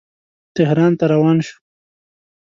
تهران ته روان شو.